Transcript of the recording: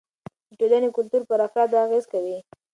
د ټولنې کلتور پر افرادو اغېز کوي.